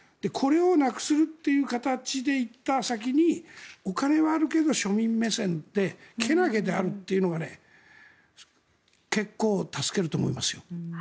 これをなくすという形で行った先にお金はあるけど庶民目線でけなげであるというのが結構、助けると思いますよ。